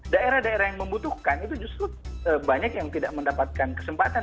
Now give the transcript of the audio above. daerah daerah yang membutuhkan itu justru banyak yang tidak mendapatkan kesempatan